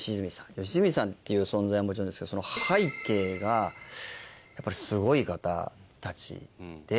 良純さんっていう存在はもちろんですけど背景がやっぱりすごい方たちで。